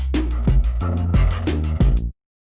โปรดติดตามตอนต่อไป